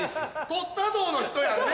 「とったど」の人やんね？